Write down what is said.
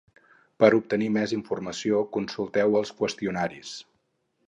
Per obtenir més informació, consulteu els qüestionaris.